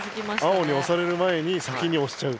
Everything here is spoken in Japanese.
青に押される前に先に押しちゃう。